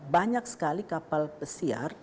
banyak sekali kapal pesiar